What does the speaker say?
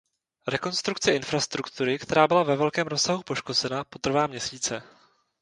Rekonstrukce infrastruktury, která byla ve velkém rozsahu poškozena, potrvá měsíce.